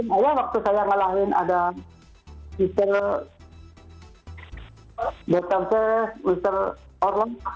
pertama waktu saya ngalahin ada mr bestan c mr orlong